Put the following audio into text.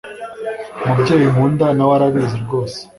umubyeyi nkunda nawe arabizi rwose